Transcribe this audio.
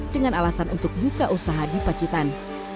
dengan alasan untuk buka usaha di pacitan